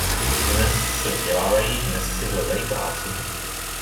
Dnes se vzdělávají, dnes si hledají práci.